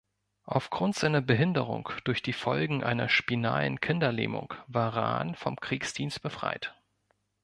Aufgrund seiner Behinderung durch die Folgen einer spinalen Kinderlähmung war Rahn vom Kriegsdienst befreit.